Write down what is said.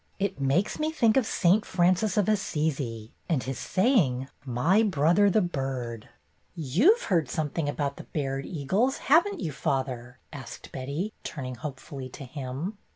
It makes me think of St. Francis of Assisi and his saying, 'My brother, the bird.'" "You've heard something about the Baird eagles, have n't you, father ?" asked Betty, turning hopefully to him.